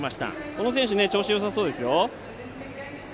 この選手、調子よさそうですよ。